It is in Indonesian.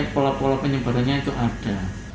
pola pola penyebarannya itu ada